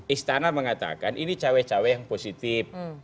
istana mengatakan ini cawe cawe yang positif